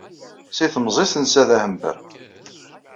Si temẓi-s netta d ahember.